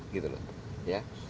gitu loh ya